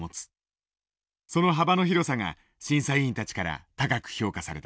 その幅の広さが審査委員たちから高く評価された。